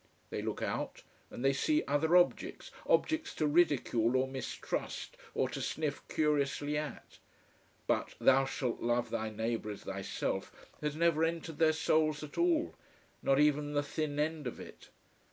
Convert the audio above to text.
They look out, and they see other objects, objects to ridicule or mistrust or to sniff curiously at. But "thou shalt love thy neighbour as thyself" has never entered their souls at all, not even the thin end of it.